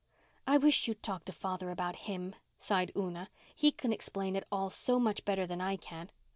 "I wish you'd talk to father about Him," sighed Una. "He can explain it all so much better than I can."